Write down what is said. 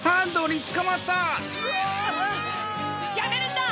やめるんだ！